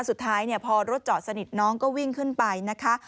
สุดท้ายพอรถจอดสนิทน้องก็วิ่งขึ้นไปนะคะ